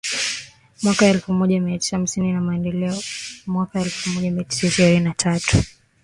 mwaka elfumoja miatisa hamsini na Mamboleo mwaka elfumoja miatisa ishirini na tatu